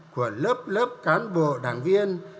của lớp lớp cán bộ đảng viên